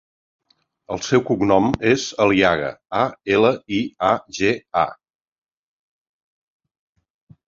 El seu cognom és Aliaga: a, ela, i, a, ge, a.